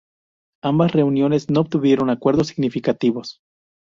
Ambas reuniones no tuvieron acuerdos significativos.